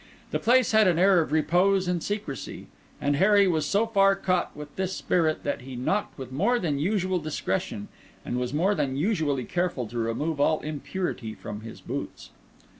The place had an air of repose and secrecy; and Harry was so far caught with this spirit that he knocked with more than usual discretion, and was more than usually careful to remove all impurity from his boots.